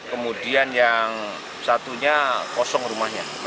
kemudian yang satunya kosong rumahnya